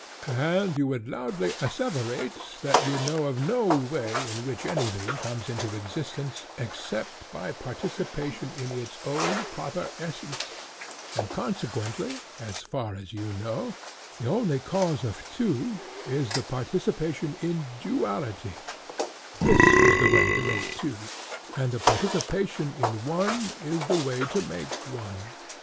And you would loudly asseverate that you know of no way in which anything comes into existence except by participation in its own proper essence, and consequently, as far as you know, the only cause of two is the participation in duality—this is the way to make two, and the participation in one is the way to make one.